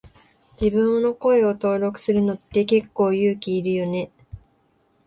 自分の声を登録するのって結構勇気いるよね。